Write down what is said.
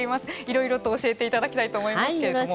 いろいろと教えていただきたいと思いますけれども。